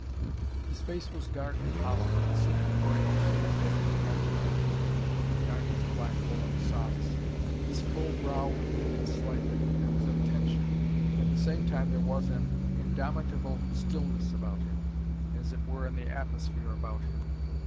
His face was dark and hollow, he seemed frail, sitting there in the London afternoon darning the black woollen socks. His full brow was knitted slightly, there was a tension. At the same time, there was an indomitable stillness about him, as it were in the atmosphere about him.